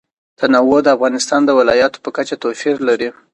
تنوع د افغانستان د ولایاتو په کچه توپیر لري.